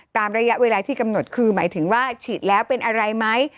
ระยะเวลาที่กำหนดคือหมายถึงว่าฉีดแล้วเป็นอะไรไหม